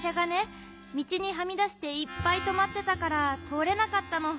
みちにはみだしていっぱいとまってたからとおれなかったの。